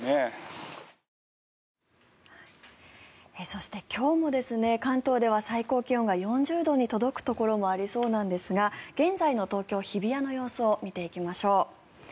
そして、今日も関東では最高気温が４０度に届くところもありそうなんですが現在の東京・日比谷の様子を見ていきましょう。